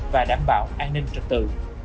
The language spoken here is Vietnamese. và đảm bảo an ninh trật tự